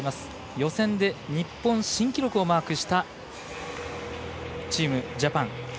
予選で日本新記録をマークしたチームジャパン。